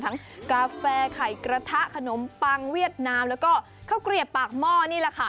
กาแฟไข่กระทะขนมปังเวียดนามแล้วก็ข้าวเกลียบปากหม้อนี่แหละค่ะ